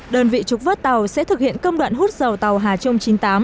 đơn vị trục vất tàu sẽ thực hiện công đoạn hút dầu tàu hà trung chín mươi tám